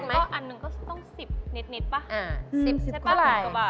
อันหนึ่งก็ต้อง๑๐นิดป่ะ